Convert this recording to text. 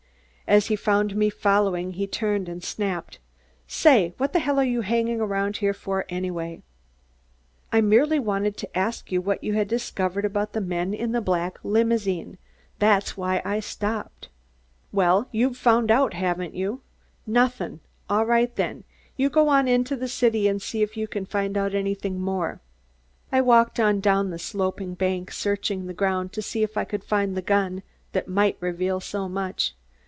As he found me following, he turned and snapped: "Say, what the hell are you hangin' around here for, anyway?" "I merely wanted to ask what you had discovered about the men in the black limousine. That's why I stopped." "Well, you've found out, haven't you? Nothin'. All right then, you go on into the city and see if you can find out anything more!" I walked on down the sloping bank, searching the ground to see if I could find the gun that might reveal so much.